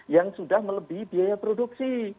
yang sudah melebihi biaya produksi